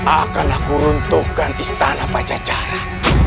akan aku runtuhkan istana pajajaran